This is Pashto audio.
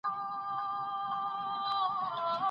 خاوند نسي کولای چي بې دليله ميرمن ووهي.